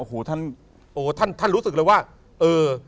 ก็ท่านรู้สึกเลยว่าเออ